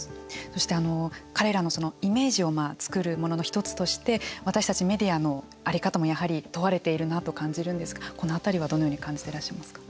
そして、彼らのイメージを作るものの１つとして私たちメディアの在り方もやはり問われているなと感じるんですがこの辺りはどのように感じていらっしゃいますか。